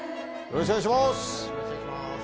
よろしくお願いします。